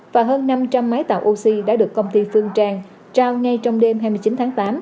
và hơn năm trăm linh máy tạo oxy đã được công ty phương trang trao ngay trong đêm hai mươi chín tháng tám